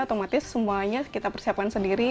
otomatis semuanya kita persiapkan sendiri